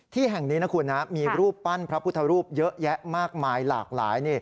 ที่แห่งนี้นะคุณนะมีรูปปั้นพระพุทธรูปเยอะแยะมากมายหลากหลาย